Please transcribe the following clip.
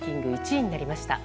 １位になりました。